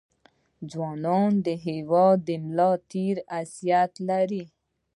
ځونان دهیواد دملا دتیر حیثت لري